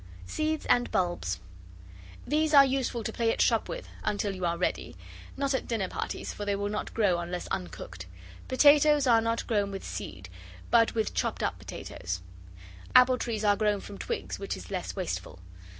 SEEDS AND BULBS These are useful to play at shop with, until you are ready. Not at dinner parties, for they will not grow unless uncooked. Potatoes are not grown with seed, but with chopped up potatoes. Apple trees are grown from twigs, which is less wasteful.